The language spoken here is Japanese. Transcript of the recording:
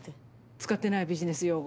使ってないビジネス用語。